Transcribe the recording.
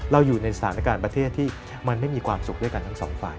อยู่ในสถานการณ์ประเทศที่มันไม่มีความสุขด้วยกันทั้งสองฝ่าย